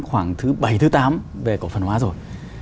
khoảng thứ bảy thứ tám về cổ phần hóa rồi